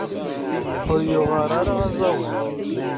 Ur yeɣɣar ara aẓawan.